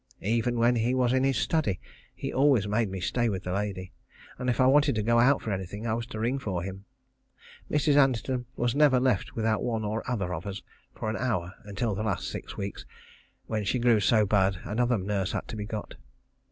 Even when he was in his study he always made me stay with the lady, and if I wanted to go out for anything, I was to ring for him. Mrs. Anderton was never left without one or other of us for an hour until the last six weeks, when she grew so bad, another nurse had to be got.